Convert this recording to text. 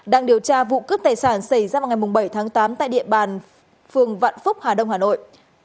đang điều tra vụ cướp tài sản xảy ra vào ngày bảy tháng tám tại địa bàn phường vạn phúc hà đông hà nội